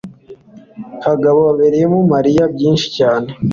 kagabo abereyemo mariya byinshi cyane